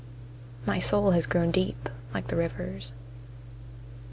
My soul has grown deep like the rivers.